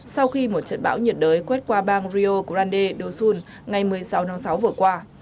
sau khi một trận bão nhiệt đới quét qua bang rio grande do sul ngày một mươi sáu tháng sáu vừa qua